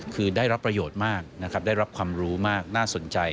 คือได้รับประโยชน์มากนะครับได้รับความรู้มากน่าสนใจ